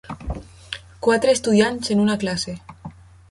Quatre estudiants en una classe.